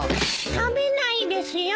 食べないですよ。